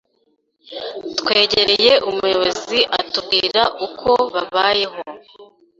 twegereye umuyobozi atubwira uko babayeho